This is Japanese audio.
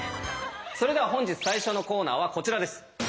それでは本日最初のコーナーはこちらです！